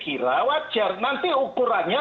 kira wajar nanti ukurannya